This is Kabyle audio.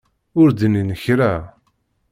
Ur d-nnin kra.